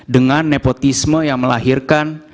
dengan nepotisme yang melahirkan